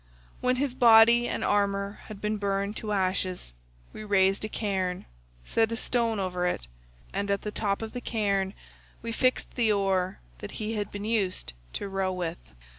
When his body and armour had been burned to ashes, we raised a cairn, set a stone over it, and at the top of the cairn we fixed the oar that he had been used to row with.